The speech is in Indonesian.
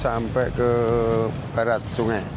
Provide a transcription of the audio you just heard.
sampai ke barat sungai